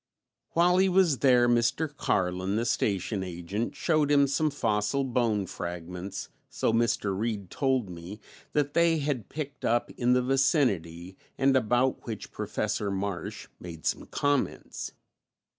While he was there Mr. Carlin, the station agent, showed him some fossil bone fragments, so Mr. Reed told me, that they had picked up in the vicinity, and about which Professor Marsh made some comments.